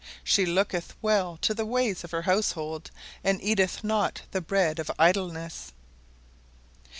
"She looketh well to the ways of her household, and eateth not the bread of idleness."